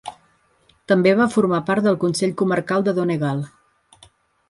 També va formar part del Consell Comarcal de Donegal.